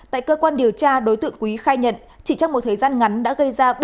tại cơ quan điều tra đối tượng quý khai nhận chỉ trong một thời gian ngắn đã gây ra